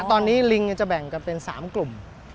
ตอนนี้ลิงจะแบ่งกันเป็น๓กลุ่ม